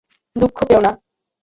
দুঃখ পেও না।